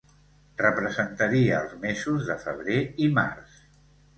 Representaria els mesos de febrer i març.